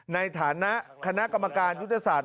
ในฐานะคณะกรรมการยุทธศาสต